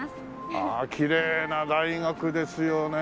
ああきれいな大学ですよね